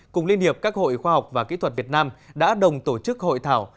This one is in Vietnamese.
cùng liên hiệp các hội khoa học và kỹ thuật việt nam đã đồng tổ chức hội thảo